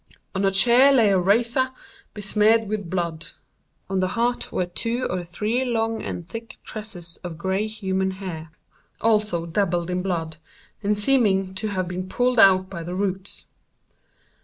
On a chair lay a razor, besmeared with blood. On the hearth were two or three long and thick tresses of grey human hair, also dabbled in blood, and seeming to have been pulled out by the roots.